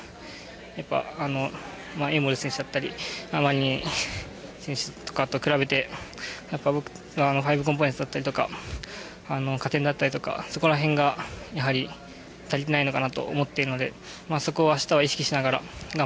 やっぱあのエイモズ選手だったりマリニン選手とかと比べてやっぱ５コンポーネンツだったりとか加点だったりとかそこら辺がやはり足りてないのかなと思っているのでそこは明日は意識しながら頑張っていこうと思っています。